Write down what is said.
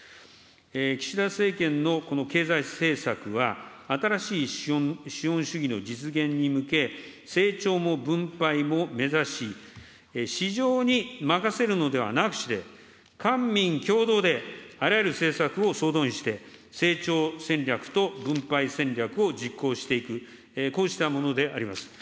岸田政権のこの経済政策は、新しい資本主義の実現に向け、成長も分配も目指し、市場に任せるのではなくして、官民共同で、あらゆる政策を総動員して、成長戦略と分配戦略を実行していく、こうしたものであります。